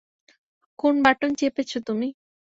কোন বাটন চেপেছ তুমি?